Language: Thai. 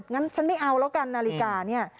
งั้นฉันไม่เอาแล้วกันนาฬิกาเนี่ย